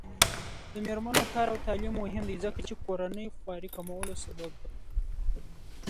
د میرمنو کار او تعلیم مهم دی ځکه چې کورنۍ خوارۍ کمولو سبب دی.